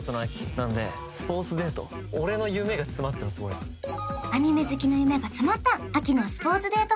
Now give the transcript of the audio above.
やっぱりアニメ好きの夢が詰まった秋のスポーツデート